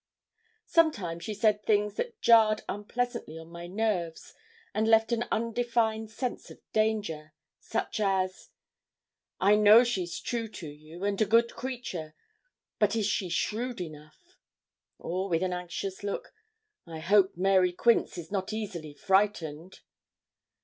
Sometimes she said things that jarred unpleasantly on my nerves, and left an undefined sense of danger. Such as: 'I know she's true to you, and a good creature; but is she shrewd enough?' Or, with an anxious look: 'I hope Mary Quince is not easily frightened.'